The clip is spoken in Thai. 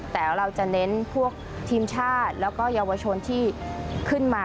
แต่เราจะเน้นพวกทีมชาติแล้วก็เยาวชนที่ขึ้นมา